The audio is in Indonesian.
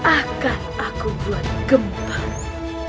akan aku buat gempar